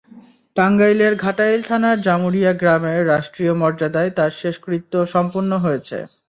টাঙ্গাইলের ঘাটাইল থানার জামুরিয়া গ্রামে রাষ্ট্রীয় মর্যাদায় তাঁর শেষকৃত্য সম্পন্ন হয়েছে।